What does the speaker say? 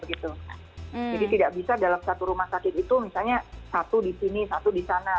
jadi tidak bisa dalam satu rumah sakit itu misalnya satu di sini satu di sana